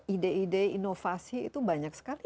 ide ide inovasi itu banyak sekali